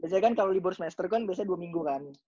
biasanya kan kalo di board semester kan dua minggu kan